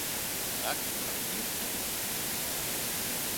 Так і пра кніжкі.